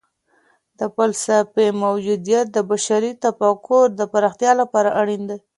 د فلسفې موجودیت د بشري تفکر د پراختیا لپاره اړین دی.